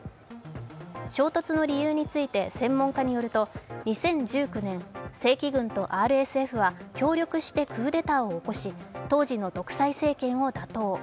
衝突の理由について専門家によると２０１９年、正規軍とＲＳＦは協力してクーデターを起こし当時の独裁政権を打倒。